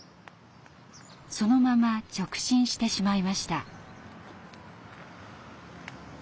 そのまま直進してしまいました。